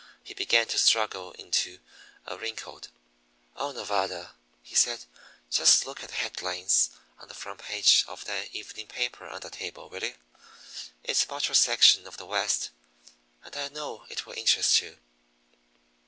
He began to struggle into a heavy coat. "Oh, Nevada," he said, "just look at the headlines on the front page of that evening paper on the table, will you? It's about your section of the West, and I know it will interest you."